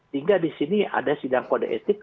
hingga disini ada sidang kode etik